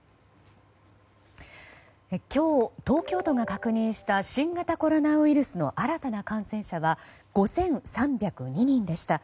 今日、東京都が確認した新型コロナウイルスの新たな感染者は５３０２人でした。